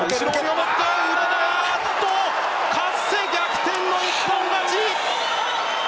カッセ、逆転の一本勝ち。